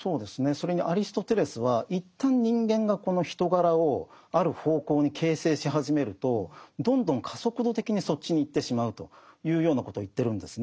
それにアリストテレスは一旦人間がこの人柄をある方向に形成し始めるとどんどん加速度的にそっちに行ってしまうというようなことを言ってるんですね。